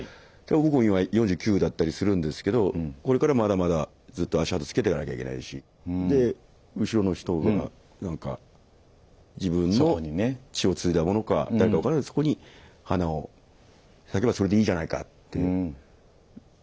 僕も今４９だったりするんですけどこれからまだまだずっと足跡をつけていかなきゃいけないしで後ろの人が自分の血を継いだものか誰か分からないけれどそこに花を咲けばそれでいいじゃないかっていうような感覚ですかね。